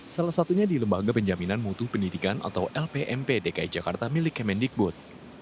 salah satunya di lembaga penjaminan mutu pendidikan atau lpmp dki jakarta milik kemendikbud